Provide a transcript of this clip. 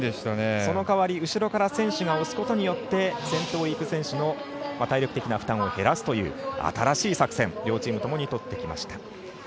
その代わり、後ろから選手が押すことによって先頭を行く選手の体力的な負担を減らすという新しい作戦を両チームともにとってきました。